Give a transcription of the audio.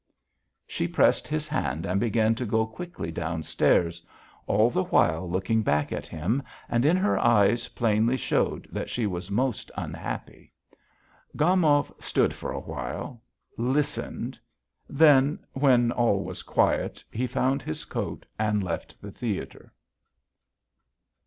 She pressed his hand and began to go quickly down stairs, all the while looking back at him, and in her eyes plainly showed that she was most unhappy. Gomov stood for a while, listened, then, when all was quiet he found his coat and left the theatre.